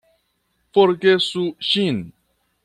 Forgesu ŝin!